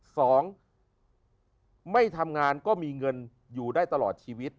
สองไม่ทำงานก็มีเงินอยู่ได้ตลอดชีวิต